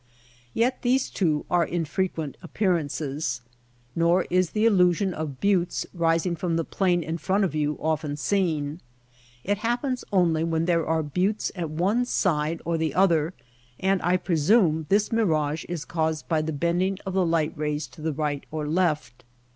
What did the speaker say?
Yet these, too, are infrequent appearances. Nor is the illusion of buttes rising from the plain in front of you often seen. It happens only when there are buttes at one side or the other, and, I presume, this mirage is caused by the bending of the light rays to the right or left.